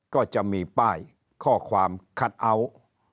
ก็จะมีป้ายข้อความคัทเอาท์